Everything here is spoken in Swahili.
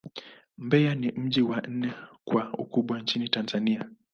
Mbeya ni mji wa nne kwa ukubwa nchini Tanzania.